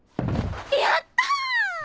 やった！